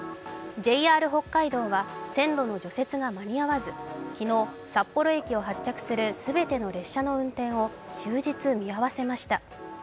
ＪＲ北海道は線路の除雪が間に合わず昨日、札幌駅を発着する全ての列車の運行を終日見合わせました。